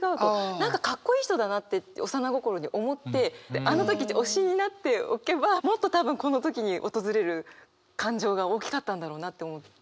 何かかっこいい人だなって幼心に思ってあの時推しになっておけばもっと多分この時に訪れる感情が大きかったんだろうなって思って。